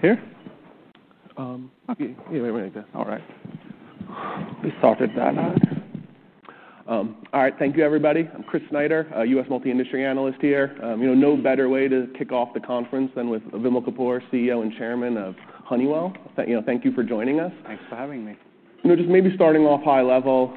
Here. Okay. Yeah, wait a minute. All right. We started that out. All right. Thank you, everybody. I'm Chris Snyder, a US multi-industry analyst here. You know, no better way to kick off the conference than with Vimal Kapur, CEO and Chairman of Honeywell. You know, thank you for joining us. Thanks for having me. Just maybe starting off high level,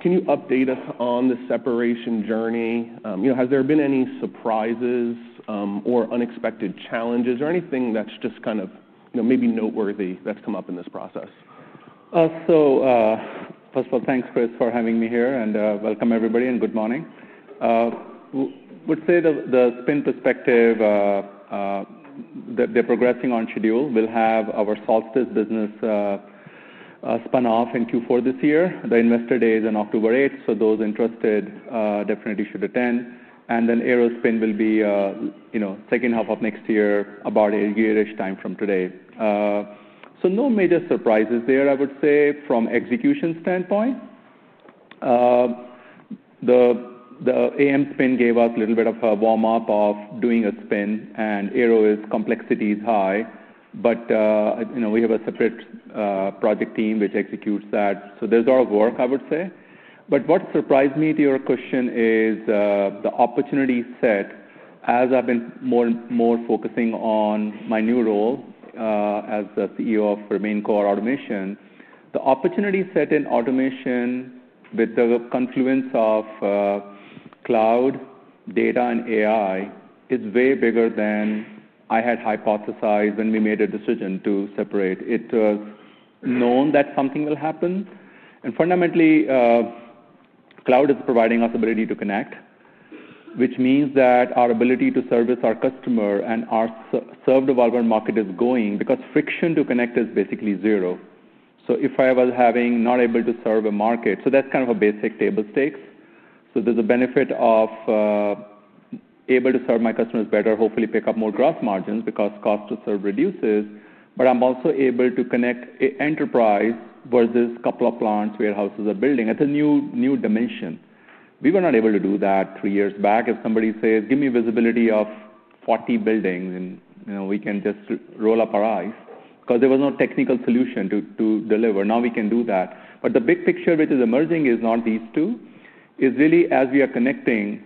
can you update us on the separation journey? Has there been any surprises or unexpected challenges or anything that's just kind of noteworthy that's come up in this process? First of all, thanks, Chris, for having me here, and welcome everybody, and good morning. I would say the spin perspective, they're progressing on schedule. We'll have our Solstice business spun off in Q4 this year. The investor day is on October 8th, so those interested definitely should attend. ERO's spin will be the second half of next year, about a year-ish time from today. No major surprises there, I would say, from an execution standpoint. The AM spin gave us a little bit of a warm-up of doing a spin, and ERO's complexity is high, but we have a separate project team which executes that. There's a lot of work, I would say. What surprised me to your question is the opportunity set. As I've been more focusing on my new role as the CEO of Remain Core Automation, the opportunity set in automation with the confluence of cloud, data, and AI is way bigger than I had hypothesized when we made a decision to separate. It was known that something will happen. Fundamentally, cloud is providing us the ability to connect, which means that our ability to service our customer and serve the vulnerable market is growing because friction to connect is basically zero. If I was not able to serve a market, that's kind of a basic table stakes. There's a benefit of able to serve my customers better, hopefully pick up more gross margins because cost to serve reduces, but I'm also able to connect enterprise versus a couple of plants, warehouses, or buildings. It's a new dimension. We were not able to do that three years back. If somebody says, "Give me visibility of 40 buildings," and we can just roll up our eyes because there was no technical solution to deliver. Now we can do that. The big picture which is emerging is not these two. It's really as we are connecting.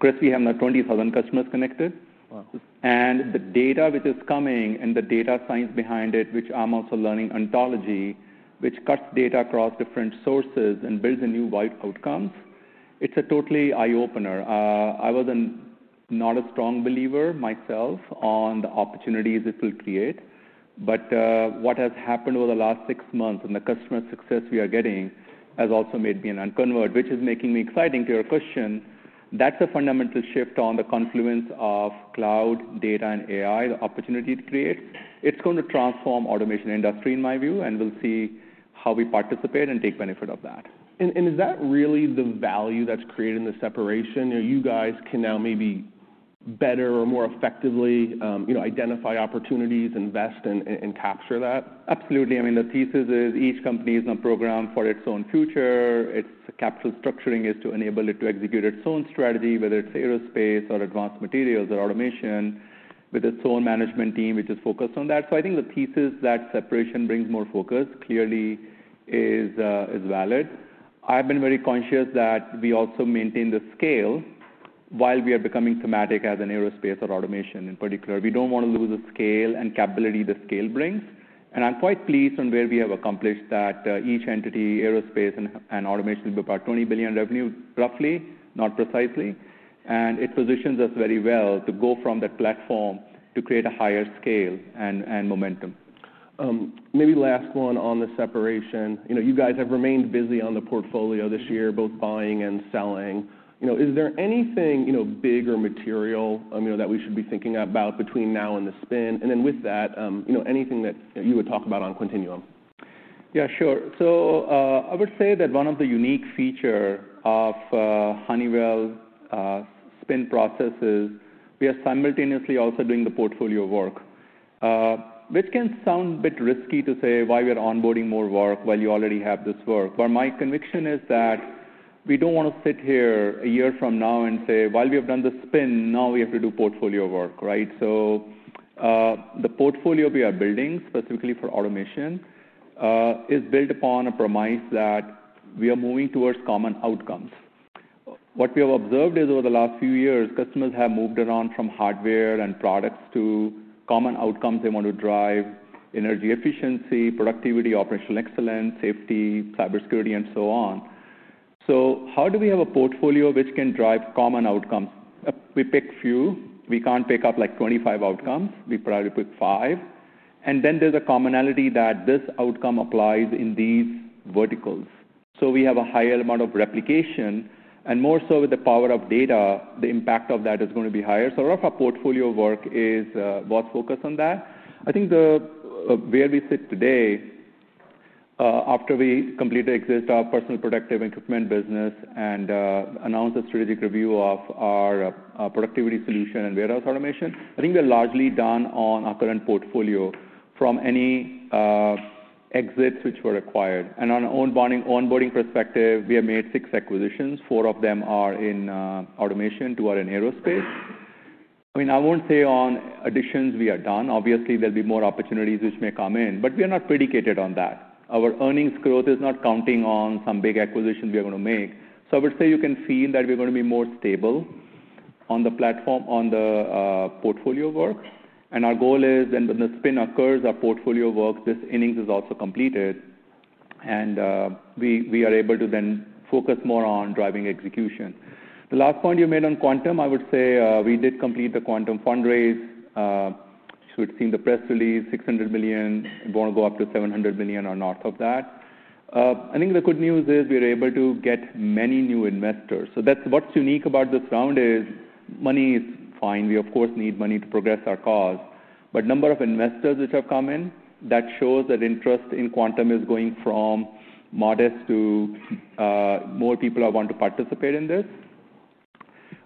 Chris, we have now 20,000 customers connected. Wow. The data which is coming and the data science behind it, which I'm also learning, ontology, which cuts data across different sources and builds a new wide outcome, it's a total eye-opener. I was not a strong believer myself on the opportunities it will create, but what has happened over the last six months and the customer success we are getting has also made me a convert, which is making me excited to your question. That's a fundamental shift on the confluence of cloud, data, and AI, the opportunity to create. It's going to transform the automation industry in my view, and we'll see how we participate and take benefit of that. Is that really the value that's created in the separation? You guys can now maybe better or more effectively identify opportunities, invest, and capture that? Absolutely. I mean, the thesis is each company is not programmed for its own future. Its capital structuring is to enable it to execute its own strategy, whether it's aerospace or advanced materials or automation, with its own management team which is focused on that. I think the thesis that separation brings more focus clearly is valid. I've been very conscious that we also maintain the scale while we are becoming thematic as an aerospace or automation in particular. We don't want to lose the scale and capability the scale brings. I'm quite pleased on where we have accomplished that. Each entity, aerospace, and automation will be about $20 billion revenue roughly, not precisely. It positions us very well to go from that platform to create a higher scale and momentum. Maybe last one on the separation. You guys have remained busy on the portfolio this year, both buying and selling. Is there anything big or material that we should be thinking about between now and the spin? With that, anything that you would talk about on continuum? Yeah, sure. I would say that one of the unique features of Honeywell spin processes is we are simultaneously also doing the portfolio work, which can sound a bit risky to say why we are onboarding more work while you already have this work. My conviction is that we don't want to sit here a year from now and say, "While we have done the spin, now we have to do portfolio work," right? The portfolio we are building specifically for automation is built upon a premise that we are moving towards common outcomes. What we have observed is over the last few years, customers have moved around from hardware and products to common outcomes. They want to drive energy efficiency, productivity, operational excellence, safety, cybersecurity, and so on. How do we have a portfolio which can drive common outcomes? We pick a few. We can't pick up like 25 outcomes. We probably pick five. There's a commonality that this outcome applies in these verticals. We have a higher amount of replication, and more so with the power of data, the impact of that is going to be higher. A lot of our portfolio work was focused on that. I think where we sit today, after we completed our existing personal productive equipment business and announced a strategic review of our productivity solution and warehouse automation, we are largely done on our current portfolio from any exits which were acquired. On an onboarding perspective, we have made six acquisitions. Four of them are in automation, two are in aerospace. I won't say on additions we are done. Obviously, there'll be more opportunities which may come in, but we are not predicated on that. Our earnings growth is not counting on some big acquisitions we are going to make. You can feel that we're going to be more stable on the platform, on the portfolio work. Our goal is then when the spin occurs, our portfolio work, this innings is also completed, and we are able to then focus more on driving execution. The last point you made on quantum, I would say we did complete the quantum fundraise. You should have seen the press release, $600 million. We want to go up to $700 million or north of that. The good news is we are able to get many new investors. That's what's unique about this round is money is fine. We, of course, need money to progress our cause, but the number of investors which have come in, that shows that interest in quantum is going from modest to more people want to participate in this.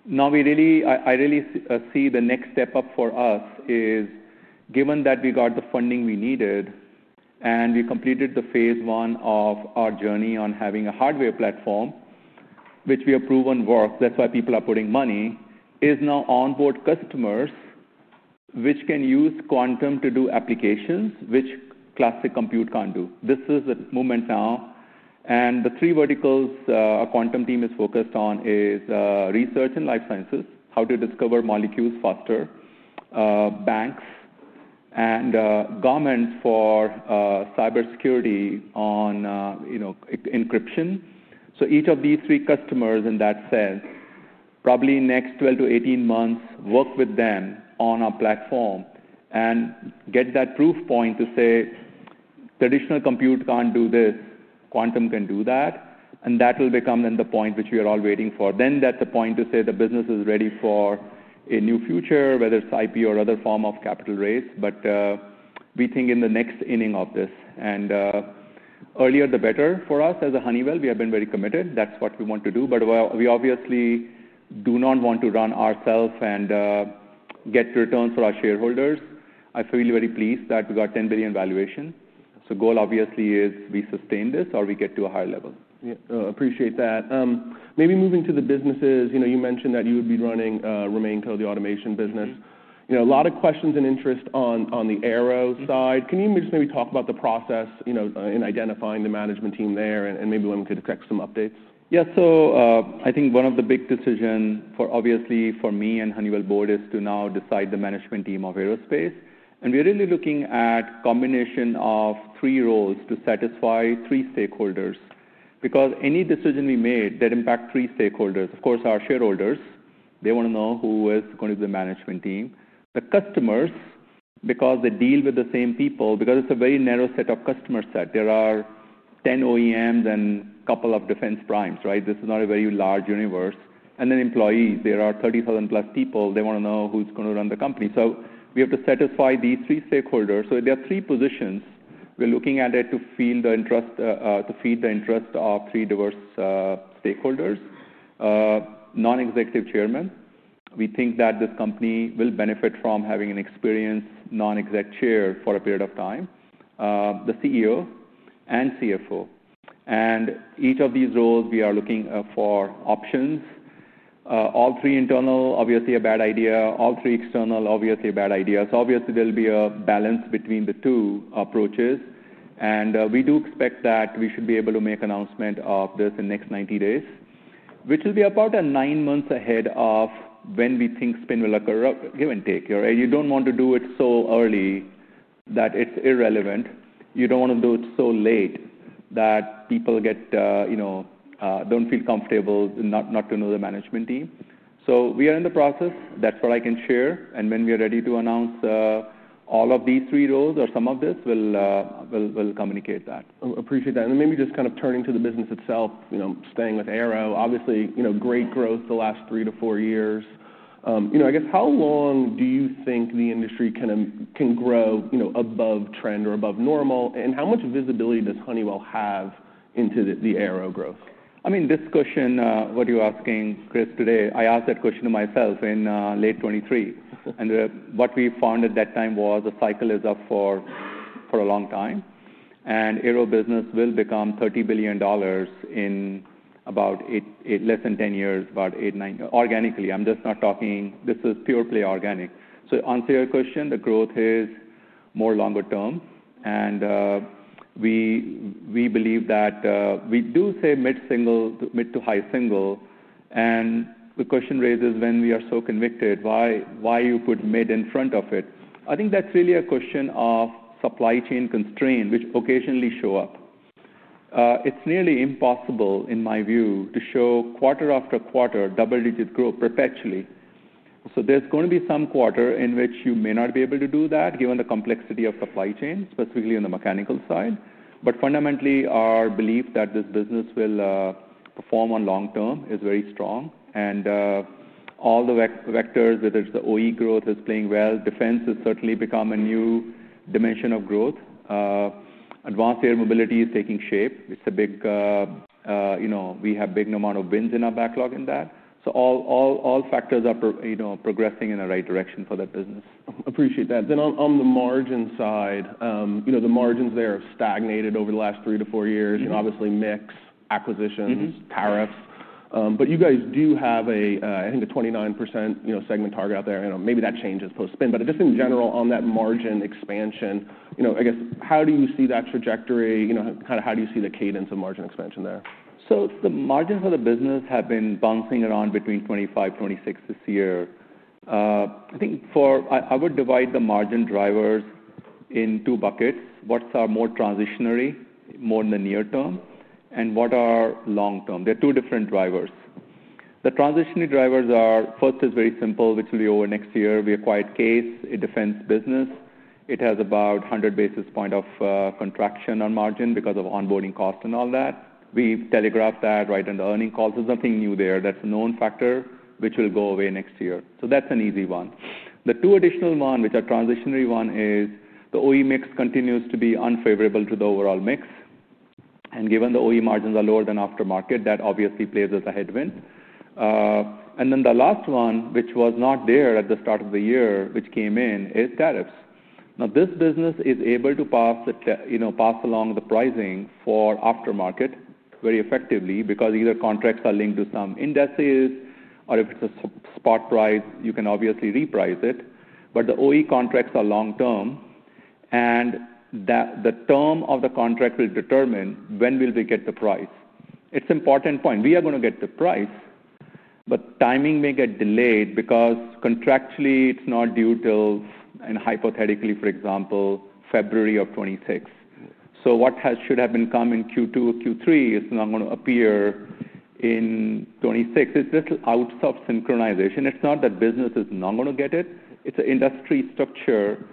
Now, I really see the next step up for us is given that we got the funding we needed and we completed the phase one of our journey on having a hardware platform, which we have proven works. That's why people are putting money, is now onboard customers which can use quantum to do applications which classic compute can't do. This is a moment now. The three verticals our quantum team is focused on are research and life sciences, how to discover molecules faster, banks, and governments for cybersecurity on encryption. Each of these three customers in that sense, probably in the next 12 to 18 months, work with them on our platform and get that proof point to say traditional compute can't do this, quantum can do that. That'll become then the point which we are all waiting for. That's a point to say the business is ready for a new future, whether it's IP or other form of capital raise. We think in the next inning of this, and earlier the better for us as a Honeywell, we have been very committed. That's what we want to do. We obviously do not want to run ourselves and get returns for our shareholders. I feel very pleased that we got $10 billion valuation. The goal obviously is we sustain this or we get to a higher level. Yeah, appreciate that. Maybe moving to the businesses, you mentioned that you would be running Remain Core, the automation business. A lot of questions and interest on the AERO side. Can you just maybe talk about the process in identifying the management team there and maybe when we could expect some updates? Yeah, so I think one of the big decisions for me and the Honeywell Board is to now decide the management team of Aerospace. We are really looking at a combination of three roles to satisfy three stakeholders because any decision we make impacts three stakeholders. Of course, our shareholders want to know who is going to be the management team. The customers, because they deal with the same people, since it's a very narrow set of customers—there are 10 OEMs and a couple of defense primes, right? This is not a very large universe. Then employees, there are 30,000 plus people. They want to know who's going to run the company. We have to satisfy these three stakeholders. There are three positions. We're looking at it to feed the interest of three diverse stakeholders: Non-Executive Chairman, we think that this company will benefit from having an experienced Non-Exec Chair for a period of time, the CEO, and CFO. For each of these roles, we are looking for options. All three internal, obviously a bad idea. All three external, obviously a bad idea. There will be a balance between the two approaches. We do expect that we should be able to make an announcement of this in the next 90 days, which will be about nine months ahead of when we think spin will occur, give and take. You don't want to do it so early that it's irrelevant. You don't want to do it so late that people don't feel comfortable not to know the management team. We are in the process. That's what I can share. When we are ready to announce all of these three roles or some of this, we'll communicate that. Appreciate that. Maybe just kind of turning to the business itself, you know, staying with AERO, obviously, you know, great growth the last three to four years. I guess how long do you think the industry can grow above trend or above normal? How much visibility does Honeywell have into the AERO growth? I mean, this question, what you're asking, Chris, today, I asked that question to myself in late 2023. What we found at that time was the cycle is up for a long time. AERO business will become $30 billion in about less than 10 years, about eight, nine organically. I'm just not talking, this is purely organic. To answer your question, the growth is more longer term. We believe that we do say mid-single to mid-to-high single. The question raises, when we are so convicted, why you put mid in front of it? I think that's really a question of supply chain constraint, which occasionally shows up. It's nearly impossible in my view to show quarter after quarter double-digit growth perpetually. There is going to be some quarter in which you may not be able to do that given the complexity of supply chain, specifically on the mechanical side. Fundamentally, our belief that this business will perform on long term is very strong. All the vectors, whether it's the OE growth, is playing well. Defense has certainly become a new dimension of growth. Advanced air mobility is taking shape. We have a big amount of wins in our backlog in that. All factors are progressing in the right direction for that business. Appreciate that. On the margin side, the margins there have stagnated over the last three to four years. Obviously mixed acquisitions, tariffs. You guys do have a, I think, a 29% segment target out there, and maybe that changes post-spin. In general on that margin expansion, I guess how do you see that trajectory? How do you see the cadence of margin expansion there? The margins for the business have been bouncing around between 25%, 26% this year. I think I would divide the margin drivers in two buckets: what's more transitionary, more in the near term, and what are long term. There are two different drivers. The transitionary drivers are, first is very simple, which will be over next year. We acquired CASE. It defends business. It has about 100 basis point of contraction on margin because of onboarding cost and all that. We telegraphed that right in the earnings calls. There's nothing new there. That's a known factor, which will go away next year. That's an easy one. The two additional ones, which are transitionary ones, is the OE mix continues to be unfavorable to the overall mix. Given the OE margins are lower than aftermarket, that obviously plays as a headwind. The last one, which was not there at the start of the year, which came in, is tariffs. This business is able to pass along the pricing for aftermarket very effectively because either contracts are linked to some indexes or if it's a spot price, you can obviously reprice it. The OE contracts are long term, and the term of the contract will determine when we get the price. It's an important point. We are going to get the price, but timing may get delayed because contractually, it's not due till, and hypothetically, for example, February of 2026. What should have come in Q2 or Q3 is not going to appear in 2026. It's just out of synchronization. It's not that business is not going to get it. It's an industry structure.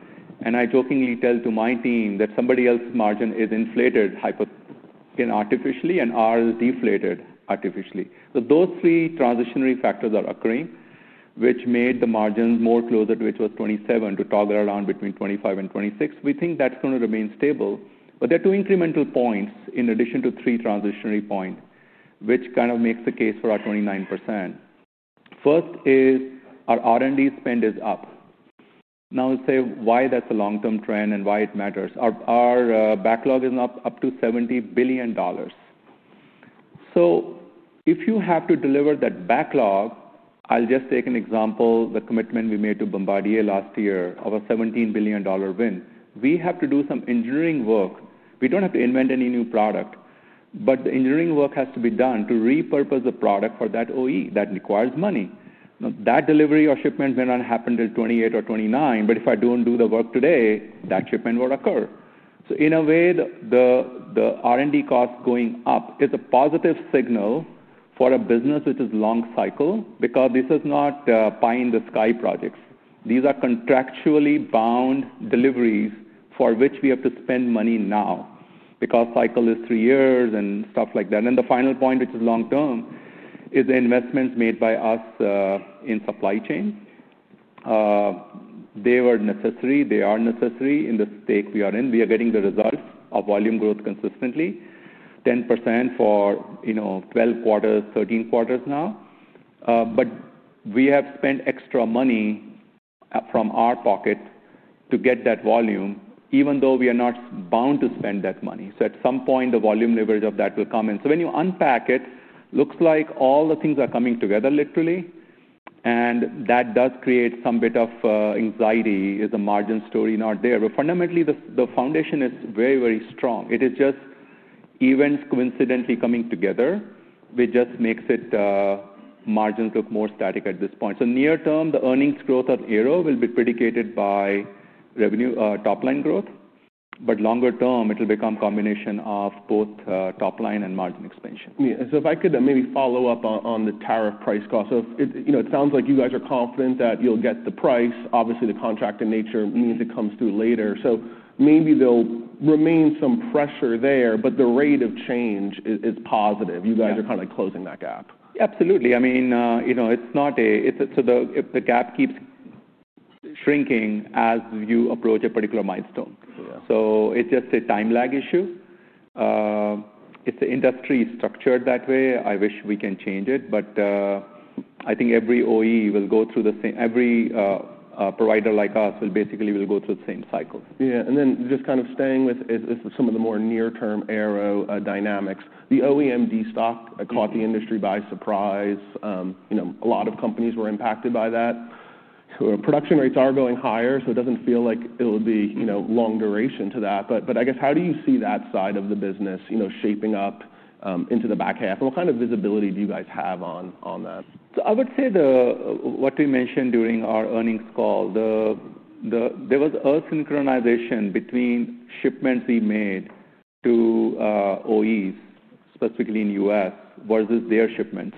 I jokingly tell my team that somebody else's margin is inflated artificially and ours deflated artificially. Those three transitionary factors are occurring, which made the margins more closer to which was 27% to toggle around between 25% and 26%. We think that's going to remain stable. There are two incremental points in addition to three transitionary points, which kind of makes the case for our 29%. First is our R&D spend is up. I'll say why that's a long-term trend and why it matters. Our backlog is up to $70 billion. If you have to deliver that backlog, I'll just take an example, the commitment we made to Bombardier last year, our $17 billion win. We have to do some engineering work. We don't have to invent any new product, but the engineering work has to be done to repurpose the product for that OE that requires money. That delivery or shipment may not happen till 2028 or 2029, but if I don't do the work today, that shipment will occur. In a way, the R&D cost is going up. It's a positive signal for a business which is long cycle because this is not pie-in-the-sky projects. These are contractually bound deliveries for which we have to spend money now because the cycle is three years and stuff like that. The final point, which is long term, is the investments made by us in supply chain. They were necessary. They are necessary in the stake we are in. We are getting the results of volume growth consistently, 10% for 12 quarters, 13 quarters now. We have spent extra money from our pocket to get that volume, even though we are not bound to spend that money. At some point, the volume leverage of that will come in. When you unpack it, it looks like all the things are coming together, literally. That does create some bit of anxiety. Is the margin story not there? Fundamentally, the foundation is very, very strong. It is just events coincidentally coming together, which just makes margins look more static at this point. Near term, the earnings growth at AERO will be predicated by revenue top line growth. Longer term, it'll become a combination of both top line and margin expansion. If I could maybe follow up on the tariff price cost. It sounds like you guys are confident that you'll get the price. Obviously, the contract in nature means it comes through later. Maybe there'll remain some pressure there, but the rate of change is positive. You guys are kind of closing that gap. Yeah, absolutely. It's not a, the gap keeps shrinking as you approach a particular milestone. It's just a time lag issue. It's an industry structured that way. I wish we can change it, but I think every OE will go through the same, every provider like us will basically go through the same cycle. Yeah. Just kind of staying with some of the more near-term AERO dynamics, the OE de-stock caught the industry by surprise. You know, a lot of companies were impacted by that. Production rates are going higher, so it doesn't feel like it'll be long duration to that. I guess how do you see that side of the business shaping up into the back half, and what kind of visibility do you guys have on that? I would say what we mentioned during our earnings call, there was a synchronization between shipments we made to OEs, specifically in the U.S., versus their shipments.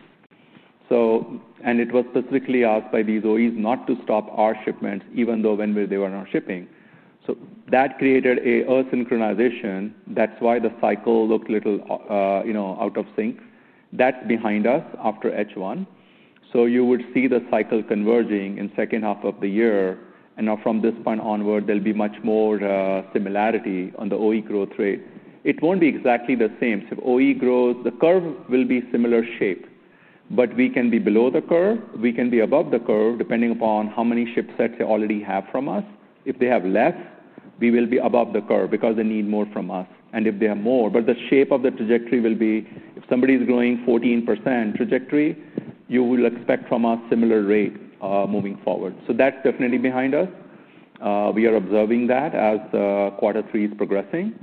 It was specifically asked by these OEs not to stop our shipments, even though when they were not shipping. That created a synchronization. That's why the cycle looked a little out of sync. That's behind us after H1. You would see the cycle converging in the second half of the year. Now from this point onward, there'll be much more similarity on the OE growth rate. It won't be exactly the same. If OE grows, the curve will be similar shaped. We can be below the curve. We can be above the curve depending upon how many ship sets they already have from us. If they have less, we will be above the curve because they need more from us. If they have more, the shape of the trajectory will be, if somebody is growing 14% trajectory, you will expect from us a similar rate moving forward. That's definitely behind us. We are observing that as quarter three is progressing.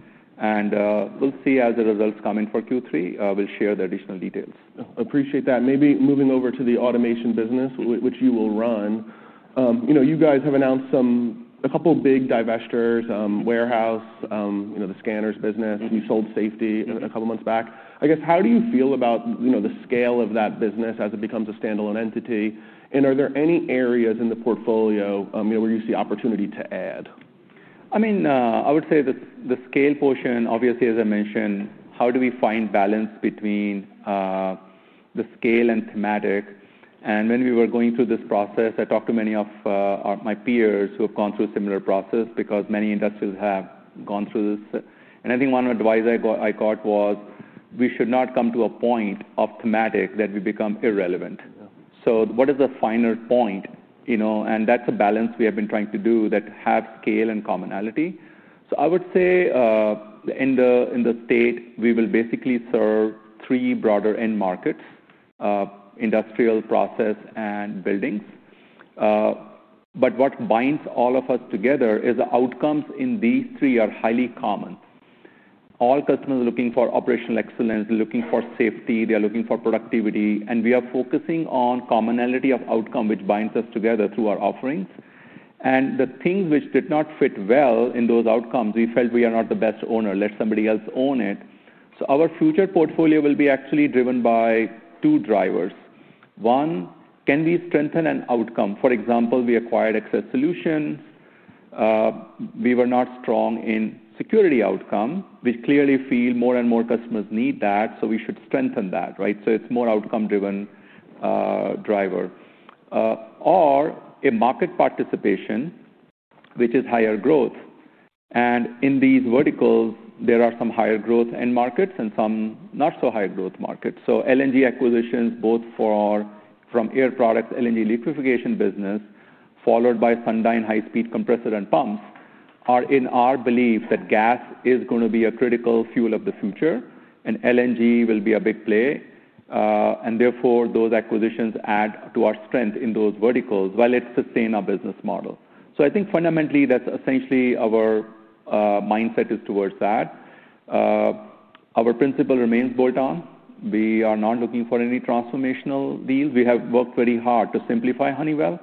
We'll see as the results come in for Q3, we'll share the additional details. Appreciate that. Maybe moving over to the automation business, which you will run. You know, you guys have announced a couple of big divestitures, warehouse, you know, the scanners business. You sold Safety a couple of months back. I guess how do you feel about the scale of that business as it becomes a standalone entity? Are there any areas in the portfolio where you see opportunity to add? I mean, I would say that the scale portion, obviously, as I mentioned, how do we find balance between the scale and thematic? When we were going through this process, I talked to many of my peers who have gone through a similar process because many industries have gone through this. I think one advice I got was we should not come to a point of thematic that we become irrelevant. What is the finer point? That's a balance we have been trying to do that has scale and commonality. I would say in the state, we will basically serve three broader end markets, industrial, process, and buildings. What binds all of us together is the outcomes in these three are highly common. All customers are looking for operational excellence, looking for safety, they're looking for productivity, and we are focusing on commonality of outcome, which binds us together through our offerings. The thing which did not fit well in those outcomes, we felt we are not the best owner. Let somebody else own it. Our future portfolio will be actually driven by two drivers. One, can we strengthen an outcome? For example, we acquired Excess Solutions. We were not strong in security outcome, which clearly feels more and more customers need that. We should strengthen that, right? It's a more outcome-driven driver. Or a market participation, which is higher growth. In these verticals, there are some higher growth end markets and some not so higher growth markets. LNG acquisitions, both from our air products, LNG liquefaction business, followed by Sundyne high-speed compressors and pumps, are in our belief that gas is going to be a critical fuel of the future, and LNG will be a big play. Therefore, those acquisitions add to our strength in those verticals while it sustains our business model. I think fundamentally, that's essentially our mindset is towards that. Our principle remains Bolt-On. We are not looking for any transformational deals. We have worked very hard to simplify Honeywell.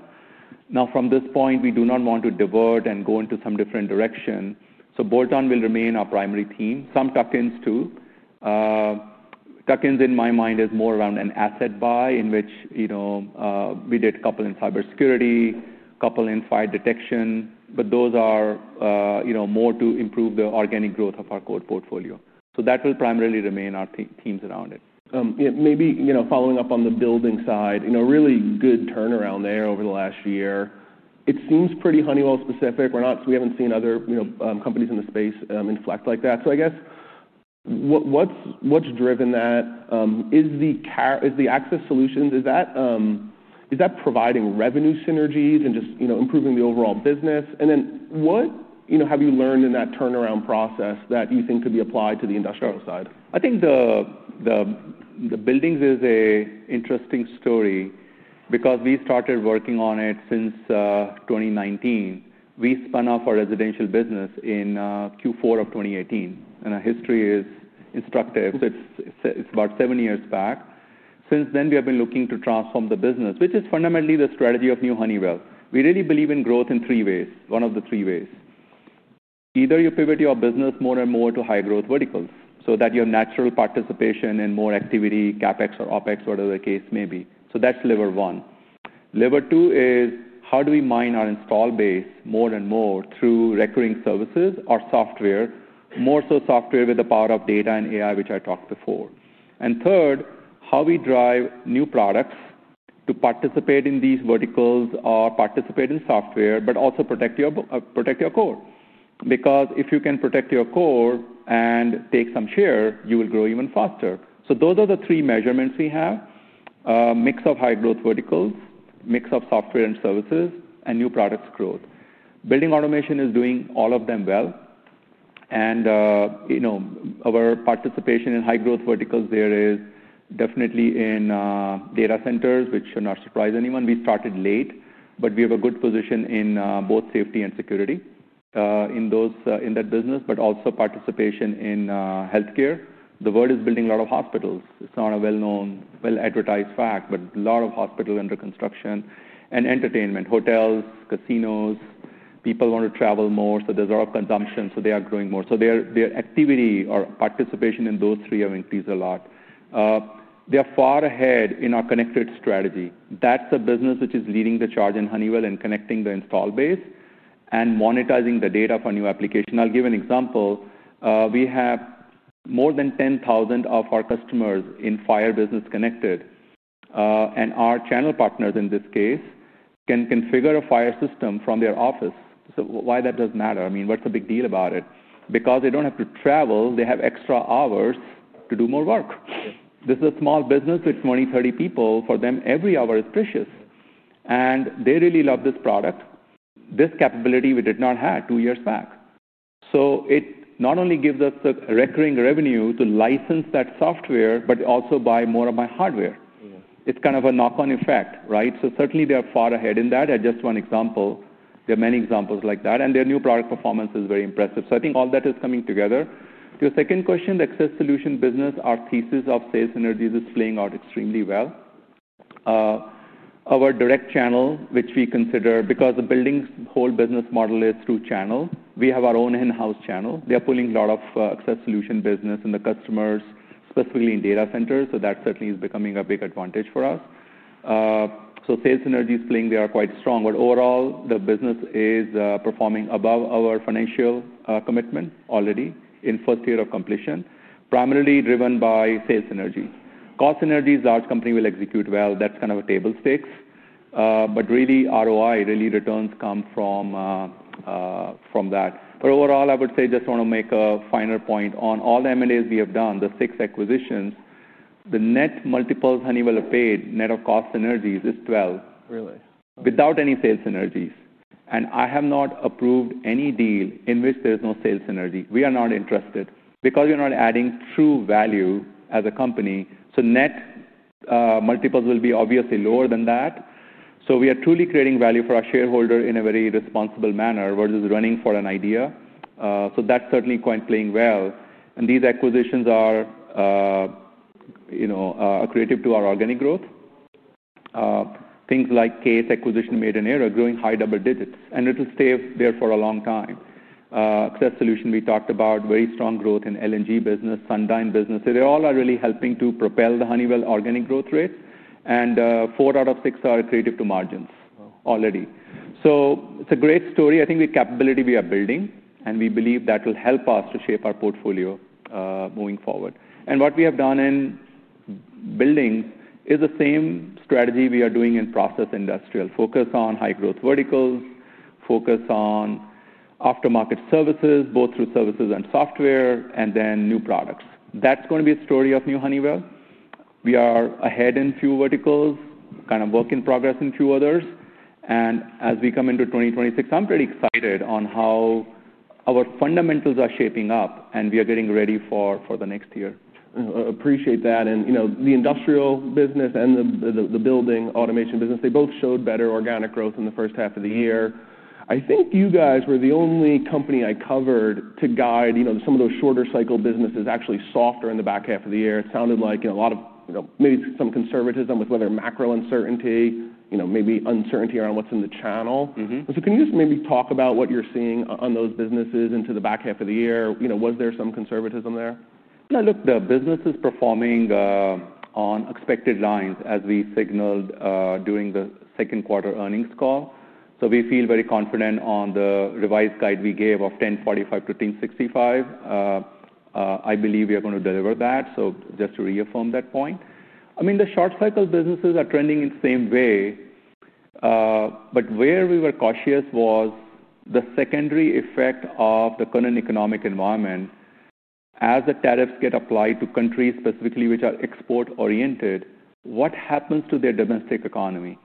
From this point, we do not want to divert and go into some different direction. Bolt-On will remain our primary theme. Some tuck-ins too. Tuck-ins in my mind is more around an asset buy in which, you know, we did a couple in cybersecurity, a couple in fire detection. Those are, you know, more to improve the organic growth of our core portfolio. That will primarily remain our themes around it. Maybe, you know, following up on the building side, really good turnaround there over the last year. It seems pretty Honeywell specific. We haven't seen other companies in the space inflect like that. I guess what's driven that is the Access Solutions. Is that providing revenue synergies and just improving the overall business? What have you learned in that turnaround process that you think could be applied to the industrial side? I think the buildings is an interesting story because we started working on it since 2019. We spun off our residential business in Q4 of 2018, and our history is instructive. It's about seven years back. Since then, we have been looking to transform the business, which is fundamentally the strategy of New Honeywell. We really believe in growth in three ways. One of the three ways. Either you pivot your business more and more to high growth verticals so that your natural participation and more activity, CapEx or OpEx, whatever the case may be. That's lever one. Lever two is how do we mine our install base more and more through recurring services or software, more so software with the power of data and AI, which I talked before. Third, how we drive new products to participate in these verticals or participate in software, but also protect your core. If you can protect your core and take some share, you will grow even faster. Those are the three measurements we have: a mix of high growth verticals, a mix of software and services, and new products growth. Building automation is doing all of them well. Our participation in high growth verticals there is definitely in data centers, which should not surprise anyone. We started late, but we have a good position in both safety and security in that business, but also participation in healthcare. The world is building a lot of hospitals. It's not a well-known, well-advertised fact, but a lot of hospitals under construction and entertainment, hotels, casinos. People want to travel more, so there's a lot of consumption, so they are growing more. Their activity or participation in those three have increased a lot. They're far ahead in our connected strategy. That's the business which is leading the charge in Honeywell and connecting the install base and monetizing the data for new applications. I'll give an example. We have more than 10,000 of our customers in fire business connected, and our channel partners in this case can configure a fire system from their office. Why that does matter? I mean, what's the big deal about it? They don't have to travel. They have extra hours to do more work. This is a small business with 20, 30 people. For them, every hour is precious. They really love this product. This capability we did not have two years back. It not only gives us the recurring revenue to license that software, but also buy more of my hardware. It's kind of a knock-on effect, right? Certainly, they are far ahead in that. That's just one example. There are many examples like that. Their new product performance is very impressive. I think all that is coming together. To your second question, the Access Solutions business, our thesis of sales synergy is playing out extremely well. Our direct channel, which we consider because the building's whole business model is through channel, we have our own in-house channel. They're pulling a lot of Access Solutions business and the customers, specifically in data centers. That certainly is becoming a big advantage for us. Sales synergy is playing there quite strong. Overall, the business is performing above our financial commitment already in the first year of completion, primarily driven by sales synergy. Cost synergies, large companies will execute well. That's kind of a table stakes. Really, ROI, really returns come from that. Overall, I would say I just want to make a finer point on all the M&As we have done, the six acquisitions, the net multiples Honeywell paid, net of cost synergies is 12, really, without any sales synergies. I have not approved any deal in which there is no sales synergy. We are not interested because we are not adding true value as a company. Net multiples will be obviously lower than that. We are truly creating value for our shareholders in a very responsible manner versus running for an idea. That's certainly quite playing well. These acquisitions are accretive to our organic growth. Things like CASE acquisition made in AERO are growing high double digits, and it'll stay there for a long time. Access Solutions, we talked about very strong growth in LNG business, Sundine business. They all are really helping to propel the Honeywell organic growth rates. Four out of six are accretive to margins already. It's a great story. I think the capability we are building, and we believe that will help us to shape our portfolio moving forward. What we have done in buildings is the same strategy we are doing in process industrial. Focus on high growth verticals, focus on aftermarket services, both through services and software, and then new products. That's going to be a story of New Honeywell. We are ahead in a few verticals, kind of work in progress in a few others. As we come into 2026, I'm pretty excited on how our fundamentals are shaping up, and we are getting ready for the next year. Appreciate that. The industrial business and the building automation business, they both showed better organic growth in the first half of the year. I think you guys were the only company I covered to guide some of those shorter cycle businesses actually softer in the back half of the year. It sounded like maybe some conservatism with whether macro uncertainty, maybe uncertainty around what's in the channel. Can you just maybe talk about what you're seeing on those businesses into the back half of the year? Was there some conservatism there? Yeah, look, the business is performing on expected lines as we signaled during the second quarter earnings call. We feel very confident on the revised guide we gave of $10.45 to $10.65. I believe we are going to deliver that, just to reaffirm that point. The short cycle businesses are trending in the same way. Where we were cautious was the secondary effect of the current economic environment. As the tariffs get applied to countries specifically which are export-oriented, what happens to their domestic economy?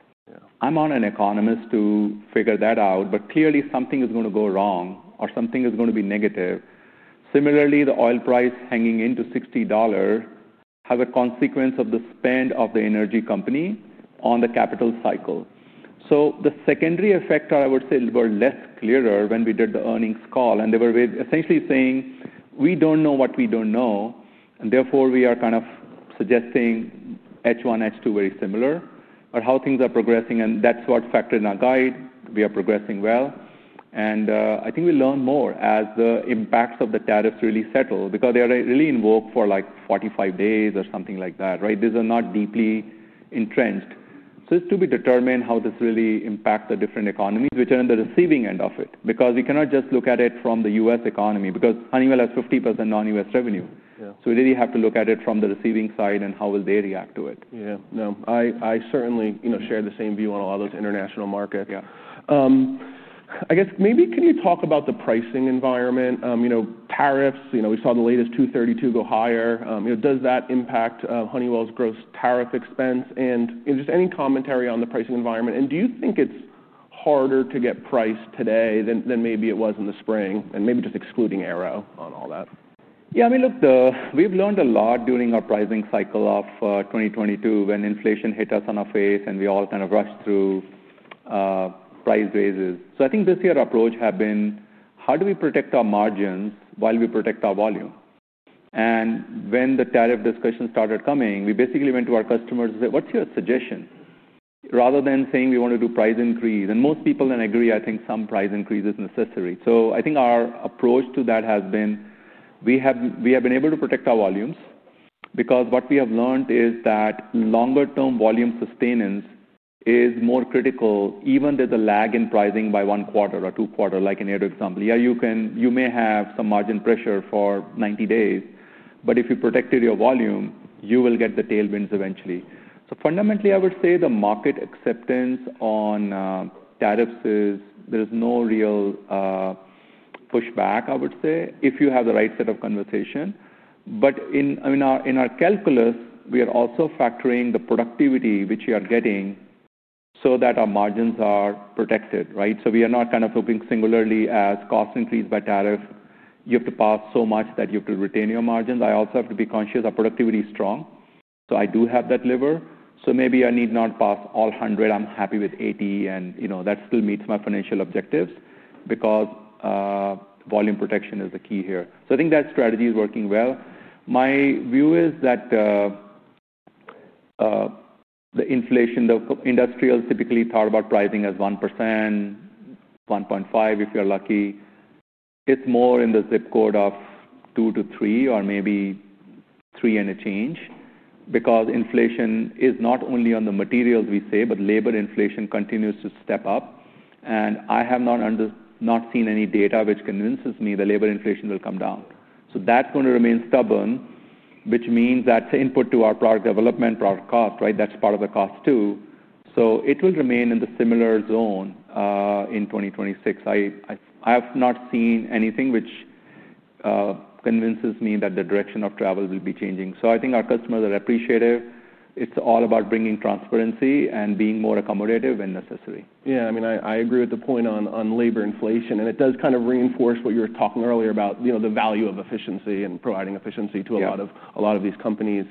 I'm not an economist to figure that out, but clearly something is going to go wrong or something is going to be negative. Similarly, the oil price hanging into $60 has a consequence of the spend of the energy company on the capital cycle. The secondary effect, I would say, was less clear when we did the earnings call. They were essentially saying, "We don't know what we don't know." Therefore, we are kind of suggesting H1, H2 very similar or how things are progressing. That's what factored in our guide. We are progressing well. I think we learn more as the impacts of the tariffs really settle because they are really in vogue for like 45 days or something like that, right? These are not deeply entrenched. It's to be determined how this really impacts the different economies, which are on the receiving end of it because we cannot just look at it from the U.S. economy because Honeywell has 50% non-U.S. revenue. We really have to look at it from the receiving side and how will they react to it. Yeah, I certainly share the same view on all those international markets. Yeah. I guess maybe can you talk about the pricing environment? You know, tariffs, we saw the latest 232 go higher. Does that impact Honeywell's gross tariff expense? Any commentary on the pricing environment? Do you think it's harder to get price today than maybe it was in the spring? Maybe just excluding AERO on all that. Yeah, I mean, look, we've learned a lot during our pricing cycle of 2022 when inflation hit us on our face and we all kind of rushed through price raises. I think this year's approach had been, how do we protect our margins while we protect our volume? When the tariff discussion started coming, we basically went to our customers and said, "What's your suggestion?" rather than saying we want to do price increase. Most people then agree, I think some price increase is necessary. I think our approach to that has been, we have been able to protect our volumes because what we have learned is that longer-term volume sustenance is more critical, even with a lag in pricing by one quarter or two quarters, like in AERO example. You may have some margin pressure for 90 days, but if you protected your volume, you will get the tailwinds eventually. Fundamentally, I would say the market acceptance on tariffs is there is no real pushback, I would say, if you have the right set of conversations. In our calculator, we are also factoring the productivity which we are getting so that our margins are protected, right? We are not kind of hoping singularly as cost increases by tariff. You have to pass so much that you have to retain your margins. I also have to be conscious our productivity is strong. I do have that lever. Maybe I need not pass all 100. I'm happy with 80, and you know, that still meets my financial objectives because volume protection is the key here. I think that strategy is working well. My view is that the inflation, the industrials typically thought about pricing as 1%, 1.5% if you're lucky. It's more in the zip code of 2% to 3% or maybe 3% and a change because inflation is not only on the materials we say, but labor inflation continues to step up. I have not seen any data which convinces me the labor inflation will come down. That's going to remain stubborn, which means that's input to our product development, product cost, right? That's part of the cost too. It will remain in the similar zone in 2026. I have not seen anything which convinces me that the direction of travel will be changing. I think our customers are appreciative. It's all about bringing transparency and being more accommodative when necessary. Yeah, I mean, I agree with the point on labor inflation. It does kind of reinforce what you were talking earlier about, you know, the value of efficiency and providing efficiency to a lot of these companies.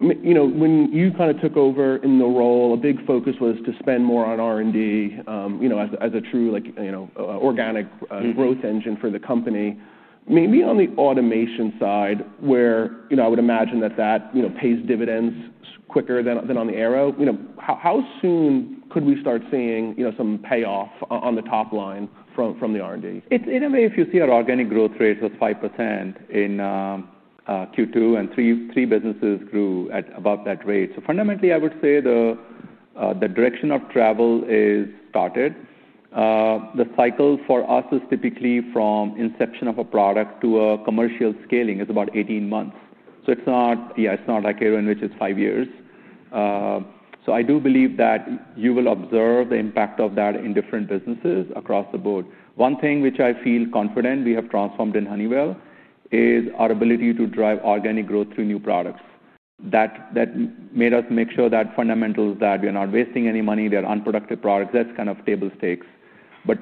When you kind of took over in the role, a big focus was to spend more on R&D, you know, as a true, like, you know, organic growth engine for the company. Maybe on the automation side where, you know, I would imagine that that, you know, pays dividends quicker than on the AERO. How soon could we start seeing, you know, some payoff on the top line from the R&D? In a way, if you see our organic growth rate was 5% in Q2, and three businesses grew at about that rate. Fundamentally, I would say the direction of travel is started. The cycle for us is typically from inception of a product to a commercial scaling is about 18 months. It's not, yeah, it's not like AERO in which it's five years. I do believe that you will observe the impact of that in different businesses across the board. One thing which I feel confident we have transformed in Honeywell is our ability to drive organic growth through new products. That made us make sure that fundamentals that we are not wasting any money, they're unproductive products. That's kind of table stakes.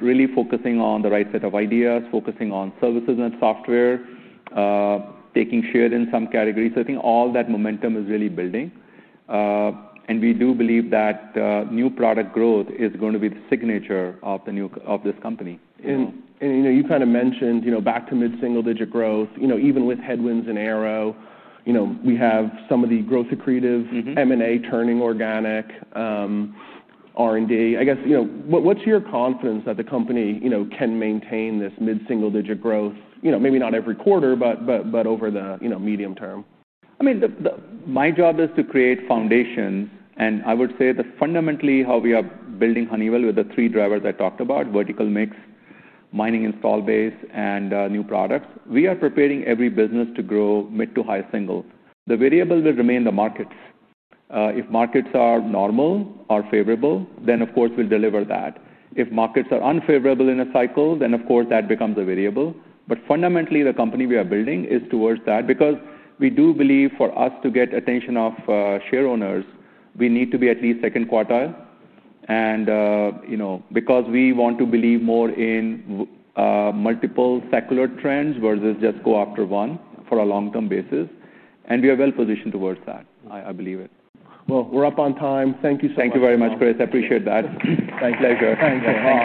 Really focusing on the right set of ideas, focusing on services and software, taking share in some categories. I think all that momentum is really building. We do believe that new product growth is going to be the signature of this company. You kind of mentioned back to mid-single digit growth, even with headwinds in AERO. We have some of the growth accretive M&A turning organic R&D. I guess, what's your confidence that the company can maintain this mid-single digit growth, maybe not every quarter, but over the medium term? I mean, my job is to create a foundation. I would say that fundamentally how we are building Honeywell with the three drivers I talked about, vertical mix, mining install base, and new products, we are preparing every business to grow mid to high single. The variable will remain the markets. If markets are normal or favorable, of course, we'll deliver that. If markets are unfavorable in a cycle, of course, that becomes a variable. Fundamentally, the company we are building is towards that because we do believe for us to get attention of shareholders, we need to be at least second quartile. You know, we want to believe more in multiple secular trends versus just go after one for a long-term basis. We are well positioned towards that, I believe it. We're up on time. Thank you so much. Thank you very much, Chris. I appreciate that. Thank you, Hank. Thanks, Hank.